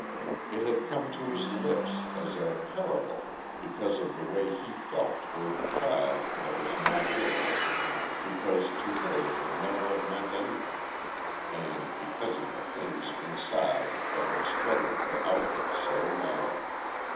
It had come to his lips, as a parable; because of the way he felt toward the child that was not his; because to her it would never have meant anything; and because of the things inside that had struggled for outlet so long.